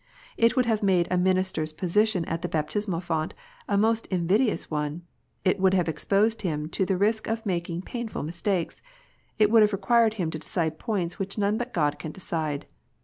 It would have made a minister s position at the baptismal font a most invidious one ; it would have exposed him to the risk of making painful mistakes ; it (would have required him to decide points which none but God can decide.